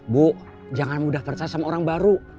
bu jangan mudah percaya sama orang baru